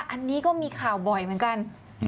อันนี้ก็มีข่าวบ่อยเหมือนกัน